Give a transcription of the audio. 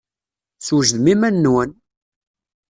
Swejdem iman-nwen!